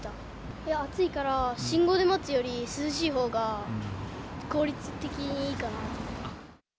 いや、暑いから、信号で待つより涼しいほうが、効率的にいいかなって。